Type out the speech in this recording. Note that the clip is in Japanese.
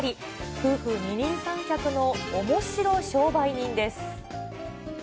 夫婦二人三脚のおもしろ商売人です。